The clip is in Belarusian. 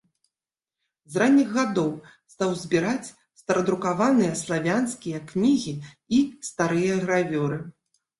З ранніх гадоў стаў збіраць старадрукаваныя славянскія кнігі і старыя гравюры.